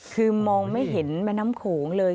คือมองไม่เห็นแม่น้ำโขงเลย